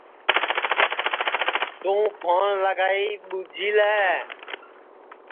توں پھون لگائی ٻوچھی لے